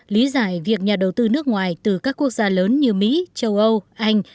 lý giải việc nhà đầu tư nước ngoài từ các quốc gia lớn như mỹ châu âu anh